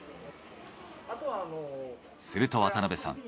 すると渡辺さん